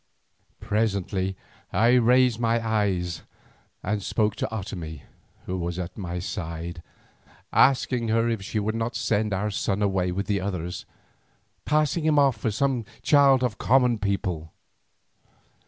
Presently I raised my eyes and spoke to Otomie, who was at my side, asking her if she would not send our son away with the others, passing him off as the child of common people.